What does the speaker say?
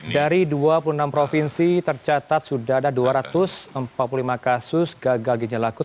dari dua puluh enam provinsi tercatat sudah ada dua ratus empat puluh lima kasus gagal ginjal akut